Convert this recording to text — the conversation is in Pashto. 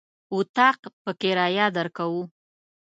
اطاق په کرايه درکوو.